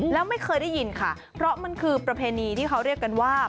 แล้วไม่เคยได้ยินค่ะเพราะมันคือประเพณีที่เขาเรียกกันว่า